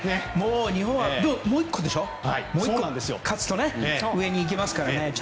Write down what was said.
日本はもう１個勝つと上に行けますから。